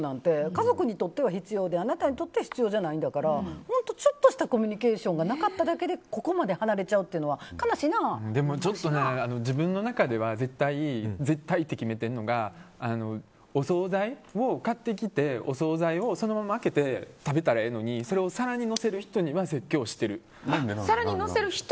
家族にとっては必要であなたにとっては必要ないだけだから本当、ちょっとしたコミュニケーションがなかっただけで自分の中で絶対って決めてるのがお総菜を買ってきてお総菜をそのまま開けて食べたらいいのにでそれをお皿にのせる人には説教してる。